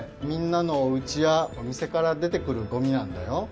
みんなのおうちやおみせからでてくるごみなんだよ。